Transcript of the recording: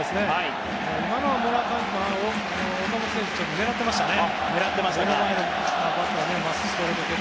今のは岡本選手狙ってましたね。